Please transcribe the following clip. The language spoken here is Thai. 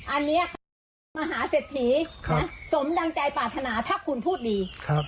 อันนี้ค่ะมหาเศรษฐีสมดังใจปรารถนาถ้าคุณพูดดี